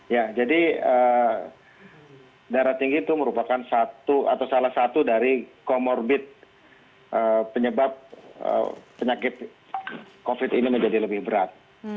ya jadi darah tinggi itu merupakan satu atau salah satu dari comorbid penyebab penyakit covid ini menjadi lebih berat